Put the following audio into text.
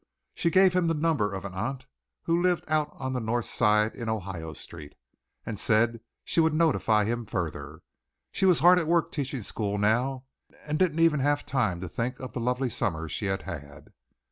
She gave him the number of an aunt who lived out on the North Side in Ohio Street, and said she would notify him further. She was hard at work teaching school now, and didn't even have time to think of the lovely summer she had had.